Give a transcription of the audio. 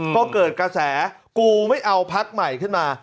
ก็เกิดกระแสกูไม่เอาพักใหม่ขึ้นมา